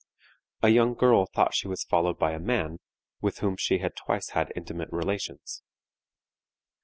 A young girl thought she was followed by a man, with whom she had twice had intimate relations.